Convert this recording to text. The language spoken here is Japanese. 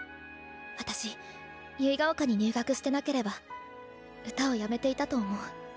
私結ヶ丘に入学してなければ歌をやめていたと思う。